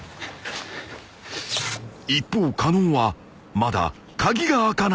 ［一方狩野はまだ鍵が開かない］